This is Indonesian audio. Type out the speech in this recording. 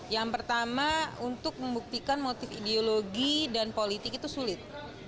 yang pertama untuk membuktikan motif ideologi dan politik itu sulit